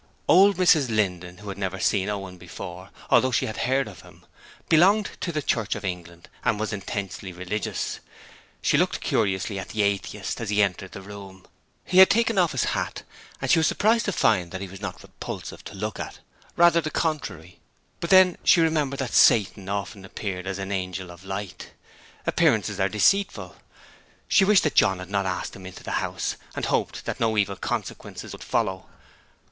Old Mrs Linden, who had never seen Owen before, although she had heard of him, belonged to the Church of England and was intensely religious. She looked curiously at the Atheist as he entered the room. He had taken off his hat and she was surprised to find that he was not repulsive to look at, rather the contrary. But then she remembered that Satan often appears as an angel of light. Appearances are deceitful. She wished that John had not asked him into the house and hoped that no evil consequences would follow.